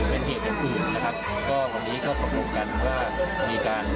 ส่วนที่สูงทางนิติวิทยาศาสตร์กันเป็นข้อมูลด้วยละเอียด